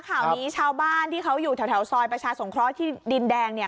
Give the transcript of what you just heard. ข่าวนี้ชาวบ้านที่เขาอยู่แถวซอยประชาสงเคราะห์ที่ดินแดงเนี่ย